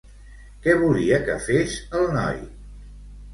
Què volia que fes el noi?